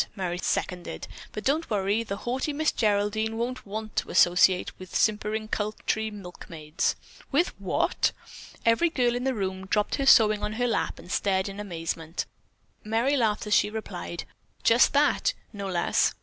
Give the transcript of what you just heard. Merry seconded. "But don't worry, the haughty Miss Geraldine won't want to associate with simpering country milkmaids." "With what?" Every girl in the room dropped her sewing on her lap and stared her amazement. Merry laughed as she replied: "Just that, no less.